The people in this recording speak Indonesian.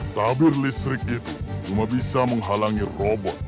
tabur listrik itu cuma bisa menghalangi robot